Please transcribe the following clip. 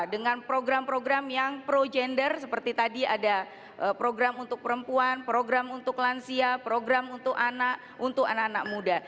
dengan program program yang pro gender seperti tadi ada program untuk perempuan program untuk lansia program untuk anak untuk anak anak muda